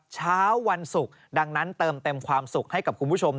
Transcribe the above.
เช้าวันศุกร์ดังนั้นเติมเต็มความสุขให้กับคุณผู้ชม